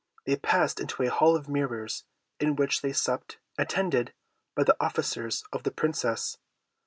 They passed into a hall of mirrors, in which they supped, attended by the officers of the Princess.